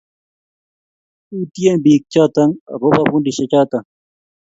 utyee biik choto agoba fundishek choto